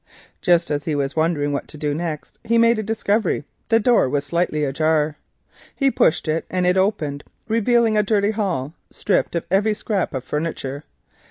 Just as he was wondering what to do next he made a discovery—the door was slightly ajar. He pushed it and it opened—revealing a dirty hall, stripped of every scrap of furniture.